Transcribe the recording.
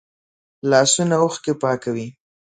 لاسونه اوښکې پاکوي